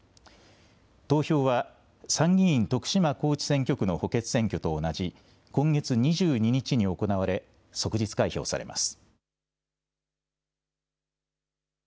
投票は参議院徳島高知選挙区の補欠選挙と同じ今月２２日に行われ、即日開票されます。